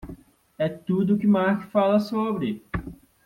É tudo o que Mark fala sobre.